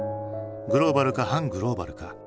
グローバルか反グローバルか。